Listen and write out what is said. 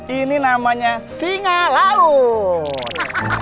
ini namanya singa laut